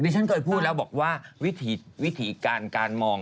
ฉันเคยพูดแล้วบอกว่าวิธีการการมอง